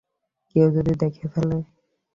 কেউ যদি দেখে ফেলে?